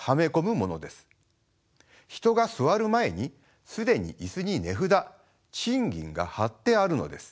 人が座る前に既に椅子に値札賃金が貼ってあるのです。